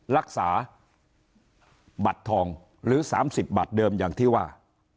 รักษาบัตรทองหรือ๓๐บาทเดิมอย่างที่ว่า